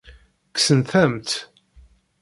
Kksent-am-tt.